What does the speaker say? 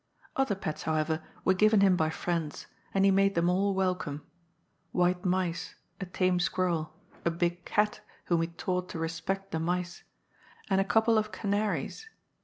Other pets, however, were given him by friends, and he made them all welcome ; white mice, a tame squirrel, a big cat whom he taught to respect the mice, and a couple of canaries.